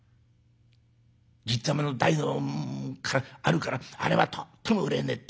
じっちゃまの代からあるからあれはとっても売れねえって。